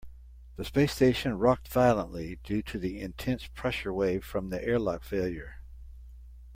The space station rocked violently due to the intense pressure wave from the airlock failure.